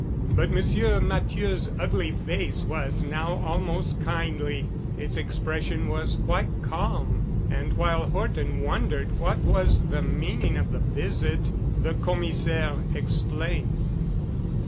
But Monsieur Matthieu's ugly face was now almost kindly, its expression quite calm. And while Horton wondered what was the meaning of the visit the Commissaire explained.